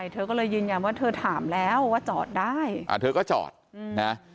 เธอก็เลยยืนยันว่าเธอถามแล้วว่าจอดได้เธอก็จอดนะ